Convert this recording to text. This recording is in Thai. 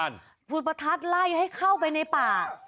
จุดประทัดไล่ให้เข้าไปในป่า